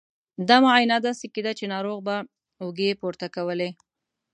دا معاینه داسې کېده چې ناروغ به اوږې پورته کولې.